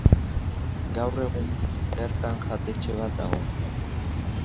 Gaur egun, bertan jatetxe bat dago.